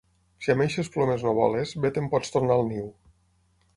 Si amb eixes plomes no voles, bé te'n pots tornar al niu.